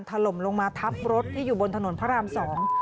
ถล่มลงมาทับรถที่อยู่บนถนนพระรามสอง